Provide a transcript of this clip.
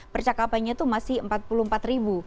percakapannya itu masih empat puluh empat ribu